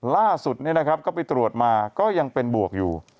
ล่าสุดนี่นะครับก็ไปตรวจมาก็ยังเป็นบวกอยู่